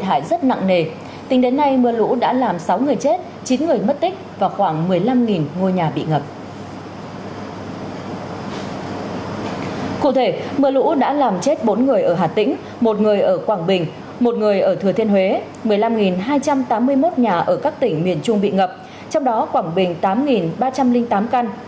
một mươi năm hai trăm tám mươi một nhà ở các tỉnh miền trung bị ngập trong đó quảng bình tám ba trăm linh tám căn